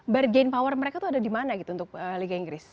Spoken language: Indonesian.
bargain power mereka tuh ada di mana gitu untuk liga inggris